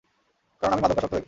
কারণ আমি মাদকাসক্ত ব্যক্তি।